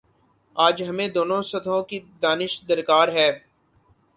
آج ہمیںدونوں سطحوں کی دانش درکار ہے